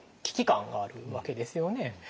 危機感があるわけですよね。